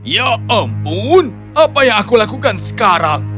ya ampun apa yang aku lakukan sekarang